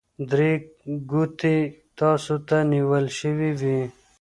درې ګوتې تاسو ته نیول شوي وي.